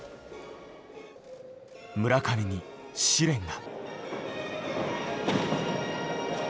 村上に試練が。